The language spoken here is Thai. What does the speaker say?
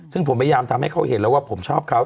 ซึ่งผมพยายามทำให้เขาเห็นแล้วว่าผมชอบเขา